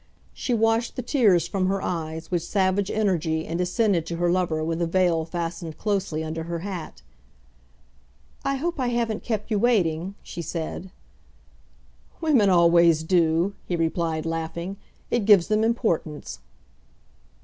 She washed the tears from her eyes with savage energy and descended to her lover with a veil fastened closely under her hat. "I hope I haven't kept you waiting," she said. "Women always do," he replied laughing. "It gives them importance."